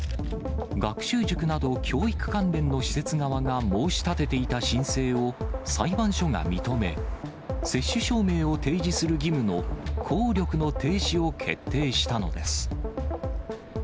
学習塾など、教育関連の施設側が申し立てていた申請を裁判所が認め、接種証明を提示する義務の効力の停止を決定したのです。